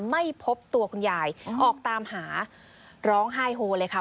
ไม่พบตัวคุณยายออกตามหาร้องไห้โฮเลยค่ะ